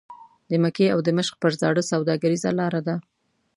د مکې او دمشق پر زاړه سوداګریزه لاره ده.